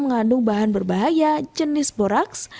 mengandung bahan berbahaya jenis boraks